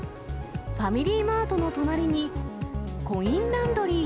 ファミリーマートの隣にコインランドリー。